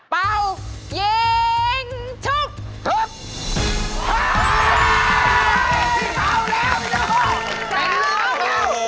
เป็นเลือกเฉิดแล้ว